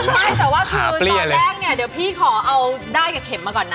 ขาเปลี่ยวเลยใช่แต่ว่าสักวันแรกเนี่ยเดี๋ยวพี่ขอเอาด้ายกับเข็มมาก่อนน่ะ